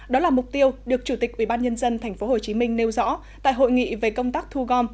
đó là mục tiêu được chủ tịch ubnd tp hcm nêu rõ tại hội nghị về công tác thu gom